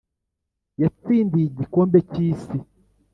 Yatsindiye igikombe cy’isi